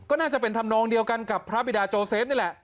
ก็น่าจะเป็นธรรมนองเดียวกันกับพระบิดาโจเซฟนี่แหละ